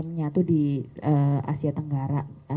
menyatu di asia tenggara